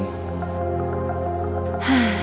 bukan siapa siapanya kamu